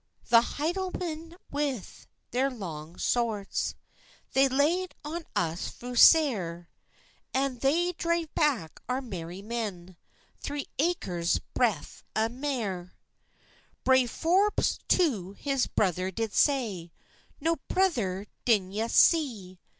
The Hielanmen, wi their lang swords, They laid on us fu sair, An they drave back our merry men Three acres breadth an mair. Brave Forbës to his brither did say, "Noo brither, dinna ye see?